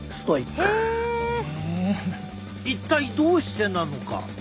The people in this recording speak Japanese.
一体どうしてなのか。